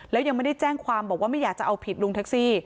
แล้วยังไม่ได้แจ้งความบอกว่าไม่อยากจะเอาผิดลุงแท็กซี่